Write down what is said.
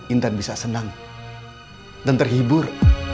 intan bisa senang dan terhibur